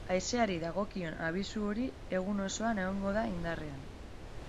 Haizeari dagokion abisu hori egun osoan egongo da indarrean.